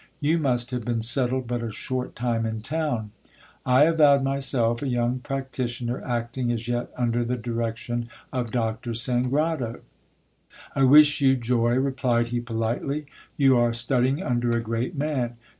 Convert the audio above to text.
You must have been settled but a short time in town. I avowed myself a young practitioner, acting as yet under the direction of Doctor Sangrado. I wish you joy, replied he politely, you are studying under a great man.